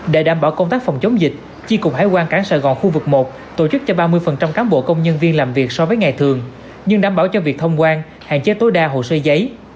để đảm bảo công tác phòng chống dịch chi cục hải quan cảng sài gòn khu vực một tổ chức cho ba mươi cán bộ công nhân viên làm việc so với ngày thường nhưng đảm bảo cho việc thông quan hạn chế tối đa hồ sơ giấy